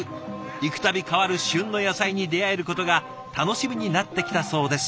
行くたび変わる旬の野菜に出会えることが楽しみになってきたそうです。